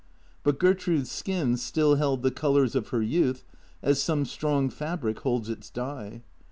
But Ger trude's skin still held the colours of her youth as some strong fabric holds its dye.